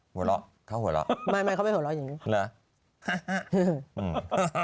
หัวเราะเขาหัวเราะไม่ไม่เขาไม่หัวเราะอย่างนี้เหรอ